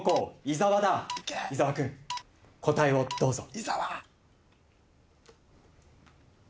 伊沢君答えをどうぞ。